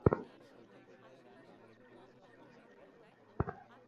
মেয়েদের মনের মধ্যে একটা হুড়োমুড়ি ছিল সকলের আগে তাঁর চোখে পড়বার।